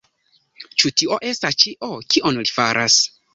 Ĉu tio estas ĉio, kion li faras?